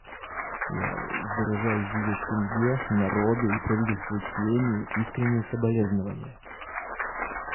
Я выражаю ее семье, народу и правительству Кении искренние соболезнования.